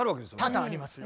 多々ありますよ。